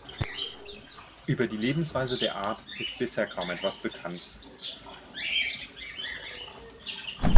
Über die Lebensweise der Art ist bisher kaum etwas bekannt.